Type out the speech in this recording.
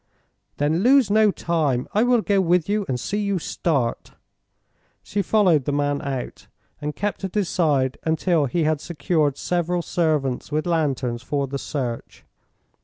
"Then lose no time. I will go with you and see you start." She followed the man out, and kept at his side until he had secured several servants with lanterns for the search.